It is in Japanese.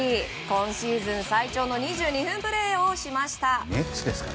今シーズン最長の２２分プレーしました。